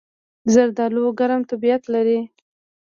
زردالو ګرم طبیعت لري.